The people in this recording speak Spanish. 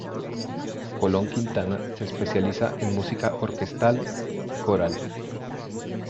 Colón-Quintana se especializa en música orquestal y coral.